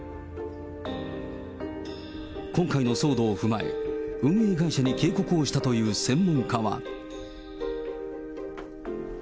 今回の騒動を踏まえ、運営会社に警告をしたという専門家は。